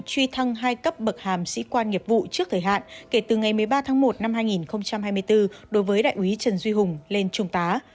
truy thăng hai cấp bậc hàm sĩ quan nghiệp vụ trước thời hạn kể từ ngày một mươi ba tháng một năm hai nghìn hai mươi bốn đối với đại úy trần duy hùng lên trung tá